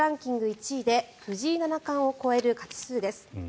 １位で藤井七冠を超える勝数です。